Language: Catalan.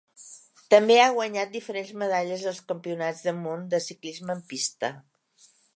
També ha guanyat diferents medalles als Campionats del món de ciclisme en pista.